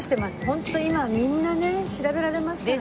ホント今みんなね調べられますからね。